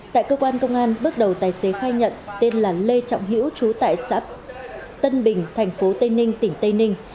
tại cơ quan công an bước đầu tài xế khai nhận tên là lê trọng hữu chú tại xã tân bình thành phố tây ninh tỉnh tây ninh